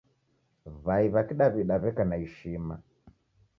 W'ai w'a kidaw'ida w'eka na ishima.